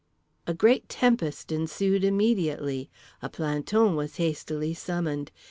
A great tempest ensued immediately. A planton was hastily summoned.